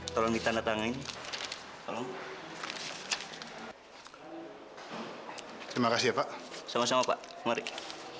surat nikah orang tuanya amira